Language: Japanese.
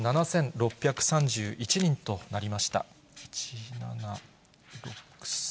１万７６３１人となりました。